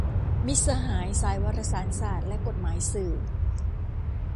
มิตรสหายสายวารสารศาสตร์และกฎหมายสื่อ